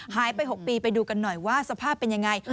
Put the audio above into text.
หายไป๖ปีไปดูกันหน่อยว่าสภาพเป็นยังไง